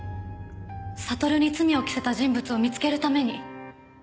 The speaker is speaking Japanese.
悟に罪を着せた人物を見つけるために。